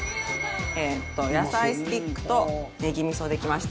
えっと野菜スティックとネギ味噌できました。